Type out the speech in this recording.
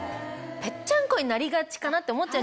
ぺっちゃんこになりがちかなって思っちゃうじゃないですか。